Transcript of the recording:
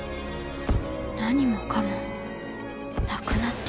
何もかもなくなっていく。